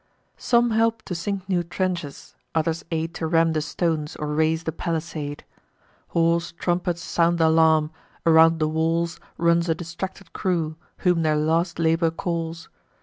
Some help to sink new trenches; others aid To ram the stones, or raise the palisade. Hoarse trumpets sound th' alarm; around the walls Runs a distracted crew, whom their last labour calls.